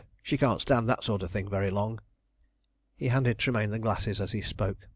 She can't stand that sort of thing very long." He handed Tremayne the glasses as he spoke.